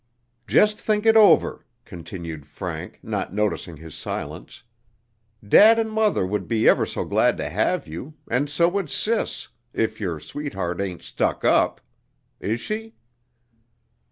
"Just think it over," continued Frank, not noticing his silence; "dad and mother would be ever so glad to have you, and so would sis, if your sweetheart ain't stuck up; is she?"